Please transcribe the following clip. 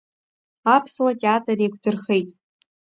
Аԥсуа театр еиқәдырхеит.